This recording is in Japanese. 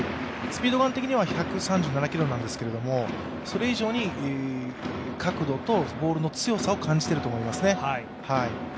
スピードガン的には１３７キロなんですけとそれ以上に角度とボールの強さを感じていると思いますね。